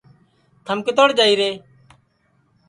تھم کِتوڑ جائیرے